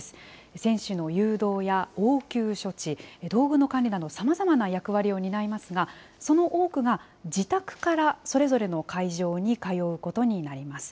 選手の誘導や応急処置、道具の管理など、さまざまな役割を担いますが、その多くが自宅からそれぞれの会場に通うことになります。